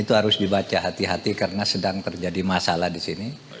itu harus dibaca hati hati karena sedang terjadi masalah di sini